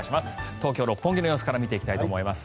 東京・六本木の様子から見ていきたいと思います。